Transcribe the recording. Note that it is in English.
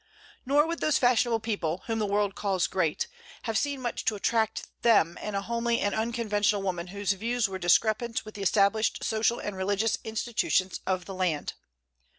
Nor would those fashionable people, whom the world calls "great," have seen much to attract them in a homely and unconventional woman whose views were discrepant with the established social and religious institutions of the land.